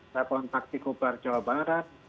saya kontak di kubar jawa barat